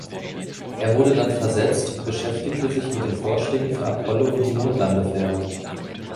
Er wurde dann versetzt und beschäftigte sich mit den Vorschlägen für Apollo und die Mondlandefähre.